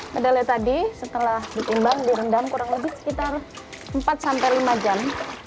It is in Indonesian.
kedelai tadi setelah ditimbang direndam kurang lebih sekitar empat sampai lima jam